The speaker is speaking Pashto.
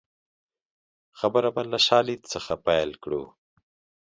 خبره به له شالید څخه پیل کړو